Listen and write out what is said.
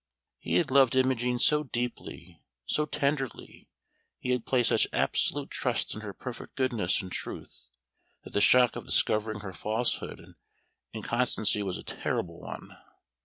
He had loved Imogen so deeply, so tenderly, he had placed such absolute trust in her perfect goodness and truth, that the shock of discovering her falsehood and inconstancy was a terrible one.